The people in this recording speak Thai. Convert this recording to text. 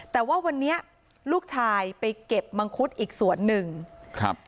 แต่ว่าวันนี้ลูกชายไปเก็บมังคุดอีกสวนหนึ่งครับ